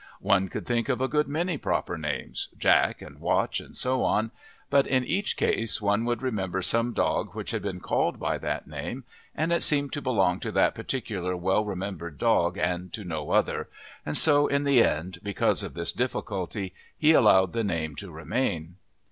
One could think of a good many proper names Jack and Watch, and so on but in each case one would remember some dog which had been called by that name, and it seemed to belong to that particular well remembered dog and to no other, and so in the end because of this difficulty he allowed the name to remain.